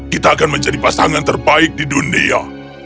kita akan menjadi pasangan terbaik di dunia